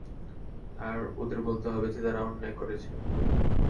আর ওদের বলতে হবে যে, তারা অন্যায় করেছে।